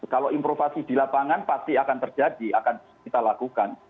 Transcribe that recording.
kalau improvasi di lapangan pasti akan terjadi akan kita lakukan